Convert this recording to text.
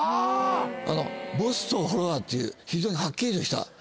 ボスとフォロワーっていう非常にはっきりとした。